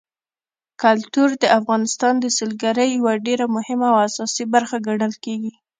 کلتور د افغانستان د سیلګرۍ یوه ډېره مهمه او اساسي برخه ګڼل کېږي.